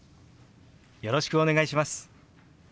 よろしくお願いします。